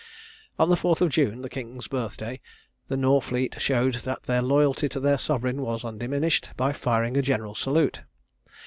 On the 4th of June, the king's birth day, the Nore fleet showed that their loyalty to their sovereign was undiminished, by firing a general salute.